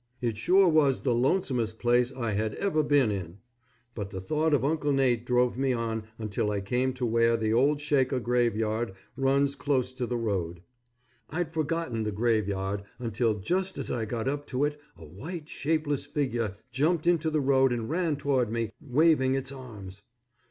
It sure was the lonesomest place I had ever been in; but the thought of Uncle Nate drove me on until I came to where the old Shaker graveyard runs down close to the road. I'd forgotten the graveyard until just as I got up to it a white, shapeless figure jumped into the road and ran toward me, waving its arms.